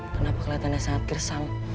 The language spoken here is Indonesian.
kenapa kelihatannya sangat kersang